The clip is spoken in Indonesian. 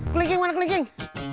kelinking mana kelinking